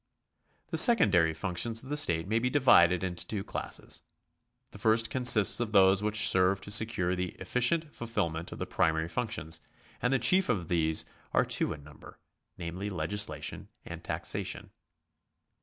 The secondary functions of the state may be divided into two classes. The first consists of those which serve to secure the efficient fulfilment of the primary functions, and the chief of these are two in number, namely legislation and taxation.